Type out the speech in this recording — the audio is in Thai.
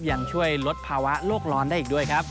ยังช่วยลดภาวะโลกร้อนได้อีกด้วยครับ